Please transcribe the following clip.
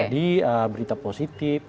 jadi berita positif